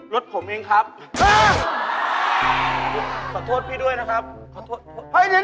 รถผมเองครับอ้าวขอโทษพี่ด้วยนะครับ